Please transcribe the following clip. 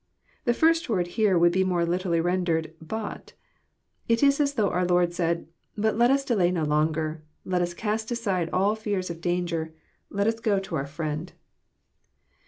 '} The first word here would be more literally rendered " But. It is as though our Lord said, '' But let us delay no longer : let us cast aside all fears of danger ; let us go to our friend."